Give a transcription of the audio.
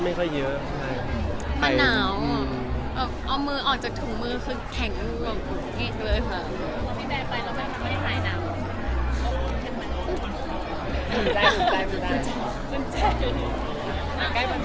มันหนาวออกจากถุงมือคือแข็งกว่าบุ๊คคี้ด้วยค่ะ